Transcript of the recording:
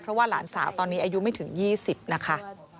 เพราะว่าหลานสาวตอนนี้อายุไม่ถึง๒๐นะคะ